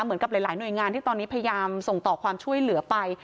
เหมือนกับหลายหน่วยงานที่ตอนนี้พยายามส่งต่อความช่วยเหลือไป